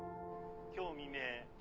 今日未明。